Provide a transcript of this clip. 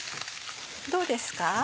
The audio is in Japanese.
どうですか？